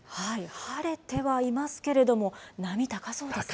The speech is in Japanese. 晴れてはいますけれども、波、高そうですね。